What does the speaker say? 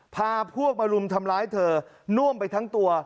พาพวกมารุมทำร้ายเธอน่วมไปทั้งตัว